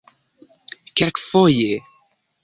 kelkfoje